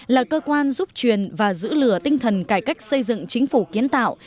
là cơ quan giúp truyền và giữ lửa tinh thần cải cách xây dựng chính phủ kiến tạo